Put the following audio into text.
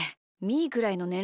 ーくらいのねん